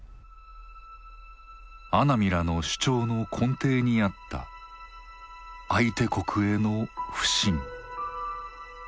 阿南らの主張の根底にあった相手国への不信。